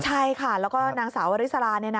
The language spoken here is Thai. ใช่ค่ะแล้วก็นางสาววาริสาราเนี่ยนะ